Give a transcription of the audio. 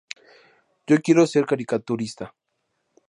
Yo quiero ser caricaturista.